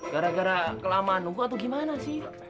gara gara kelamaan nunggu atau gimana sih